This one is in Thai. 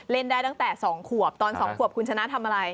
ได้ตั้งแต่๒ขวบตอน๒ขวบคุณชนะทำอะไร